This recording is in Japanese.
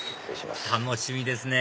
楽しみですね